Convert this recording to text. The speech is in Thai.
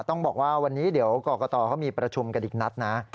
ต้องบอกว่าวันนี้เดี๋ยวกรกตเขามีประชุมกันอีกนัดนะ